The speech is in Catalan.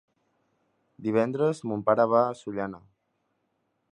Divendres mon pare va a Sollana.